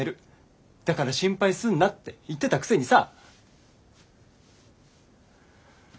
だから心配すんな」って言ってたくせにさ。